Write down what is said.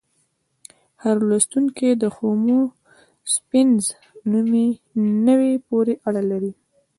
هر لوستونکی د هومو سیپینز نوعې پورې اړه لري.